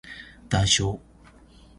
談笑